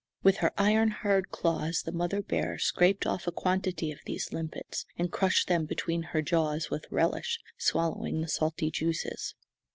With her iron hard claws the mother bear scraped off a quantity of these limpets, and crushed them between her jaws with relish, swallowing the salty juices.